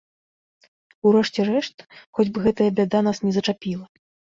У рэшце рэшт, хоць бы гэтая бяда нас не зачапіла.